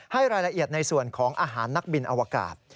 ให้รายละเอียดในส่วนของอาหารนักบินอวกาศ